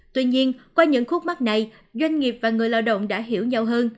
tuy nhiên qua những khúc mắt này doanh nghiệp và người lao động đã hiểu nhau hơn